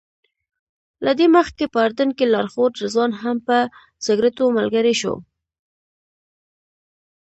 له دې مخکې په اردن کې لارښود رضوان هم په سګرټو ملګری شو.